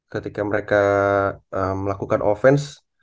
ketika mereka melakukan offense